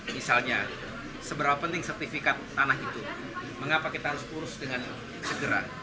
misalnya seberapa penting sertifikat tanah itu mengapa kita harus kurus dengan segera